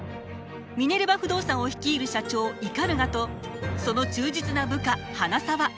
ミネルヴァ不動産を率いる社長鵤とその忠実な部下花澤。